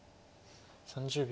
３０秒。